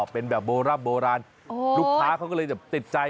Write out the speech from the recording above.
เป็นแบบโบราณลูกค้าเขาก็เลยจะติดใจ